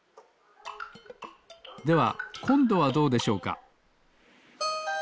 ではこんどはどうでしょうか？